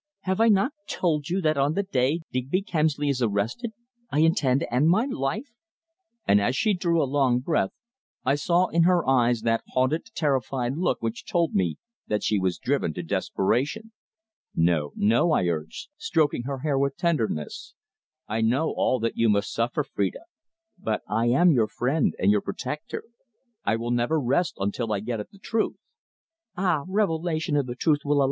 "Have I not told you that on the day Digby Kemsley is arrested I intend to end my life," and as she drew a long breath, I saw in her eyes that haunted, terrified look which told me that she was driven to desperation. "No, no," I urged, stroking her hair with tenderness. "I know all that you must suffer, Phrida, but I am your friend and your protector. I will never rest until I get at the truth." "Ah! Revelation of the truth will, alas!